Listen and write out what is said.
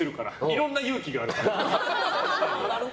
いろんな勇気があるから。